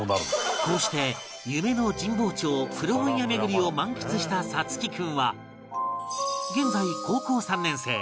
こうして夢の神保町古本屋巡りを満喫した颯喜君は現在高校３年生